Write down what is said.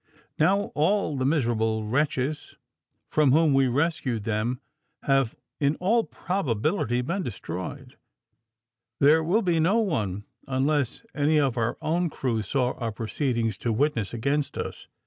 "Now all the miserable wretches from whom we rescued them have, in all probability, been destroyed, there will be no one, unless any of our own crew saw our proceedings, to witness against us.